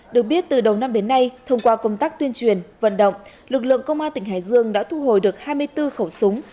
được biết từ đầu năm đến nay thông qua công tác tuyên truyền vận động lực lượng công an tỉnh hải dương đã thu hồi được hai mươi bốn khẩu súng